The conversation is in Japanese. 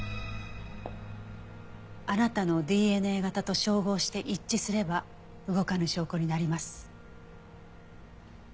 あなたのＤＮＡ型と照合して一致すれば動かぬ証拠になります。